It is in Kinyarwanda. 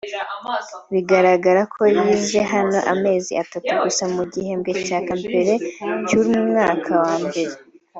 bigaragara ko yize hano amezi atatu gusa mu gihembwe cya mbere cy’umwaka wa mbere